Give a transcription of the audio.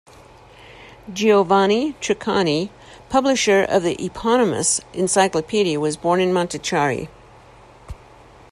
Giovanni Treccani, publisher of the eponymous encyclopedia, was born in Montichiari.